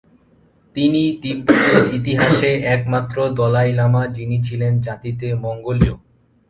তিনি তিব্বতের ইতিহাসে একমাত্র দলাই লামা যিনি ছিলেন জাতিতে মঙ্গোলীয়।